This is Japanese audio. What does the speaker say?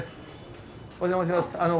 お邪魔します。